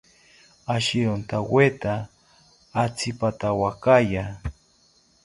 Ashirontaweta atzipatawakaya